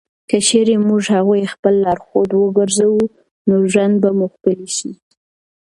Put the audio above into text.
که چېرې موږ هغوی خپل لارښود وګرځوو، نو ژوند به مو ښکلی شي.